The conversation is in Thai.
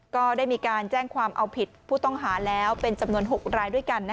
ก็ได้มีการแจ้งความเอาผิดผู้ต้องหาแล้วเป็นจำนวน๖รายด้วยกัน